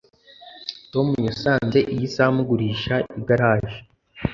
tom yasanze iyi saha mugurisha igaraje